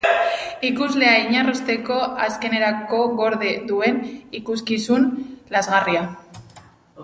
Ikuslea inarrosteko, azkenerako gorde duen ikuskizun lazgarria.